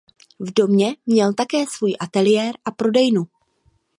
V domě měl také svůj ateliér a prodejnu.